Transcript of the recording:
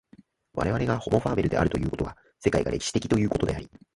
我々がホモ・ファーベルであるということは、世界が歴史的ということであり、